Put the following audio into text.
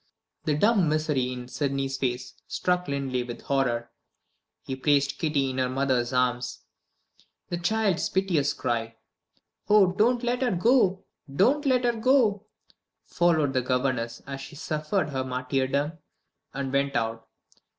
The dumb misery in Sydney's face struck Linley with horror. He placed Kitty in her mother's arms. The child's piteous cry, "Oh, don't let her go! don't let her go!" followed the governess as she suffered her martyrdom, and went out.